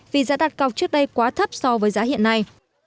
vì giá đặt cọc trước đây quá thấp so với giá hiện nay